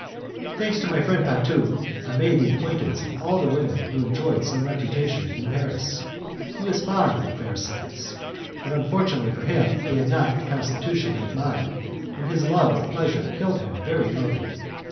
Thanks to my friend Patu, I made the acquaintance of all the women who enjoyed some reputation in Paris. He was fond of the fair sex, but unfortunately for him he had not a constitution like mine, and his love of pleasure killed him very early.